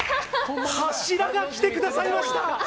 柱が来てくださいました。